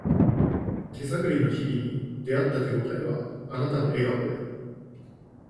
手探りの日々に出会った手ごたえはあなたの笑顔で